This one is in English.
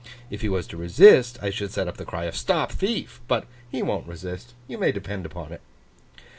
If he was to resist, I should set up the cry of Stop thief! But, he won't resist, you may depend upon it.